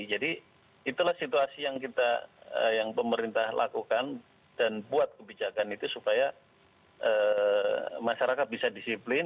jadi itulah situasi yang kita yang pemerintah lakukan dan buat kebijakan itu supaya masyarakat bisa disiplin